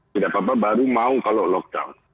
tidak apa apa baru mau kalau lockdown